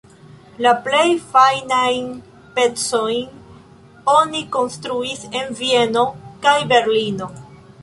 La plej fajnajn pecojn oni konstruis en Vieno kaj Berlino.